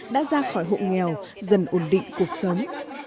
đã ra khỏi hộ nghèo dần ổn định cuộc sống